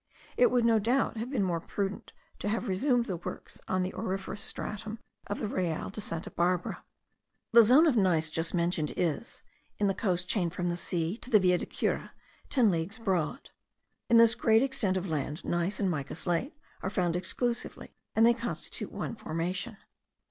It would no doubt have been more prudent to have resumed the works on the auriferous stratum of the Real de Santa Barbara. The zone of gneiss just mentioned is, in the coast chain from the sea to the Villa de Cura, ten leagues broad. In this great extent of land, gneiss and mica slate are found exclusively, and they constitute one formation.